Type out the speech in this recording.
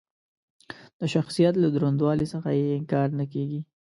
د شخصیت له دروندوالي څخه یې انکار نه کېږي.